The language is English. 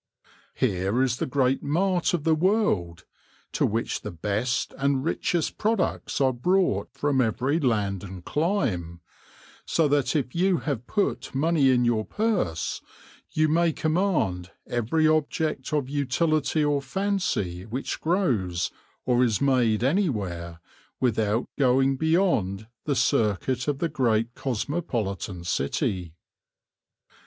Here is the great mart of the world, to which the best and richest products are brought from every land and clime, so that if you have put money in your purse you may command every object of utility or fancy which grows or is made anywhere, without going beyond the circuit of the great cosmopolitan city.